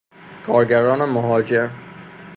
کارگران مهاجر